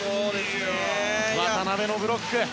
渡邊のブロック。